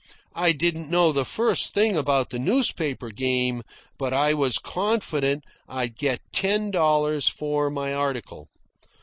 I didn't know the first thing about the newspaper game, but I was confident I'd get ten dollars for my article.